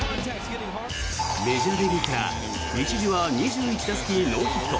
メジャー入りから一時は２１打席ノーヒット。